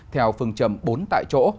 theo phương trầm bốn tại chỗ